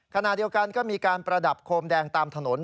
ขณะเดียวกันก็มีการประดับโคมแดงตามถนน